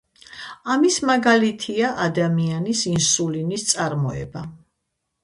ამისი მაგალითია ადამიანის ინსულინის წარმოება.